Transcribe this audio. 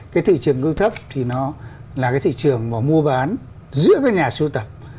cái thị trường sơ cấp thì nó là cái thị trường mà mua bán giữa cái nhà sưu tập